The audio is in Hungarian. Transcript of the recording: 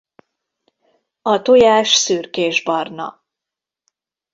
A tojás szürkésbarna.